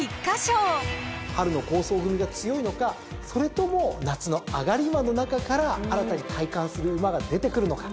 春の好走組が強いのかそれとも夏の上がり馬の中から新たに戴冠する馬が出てくるのか。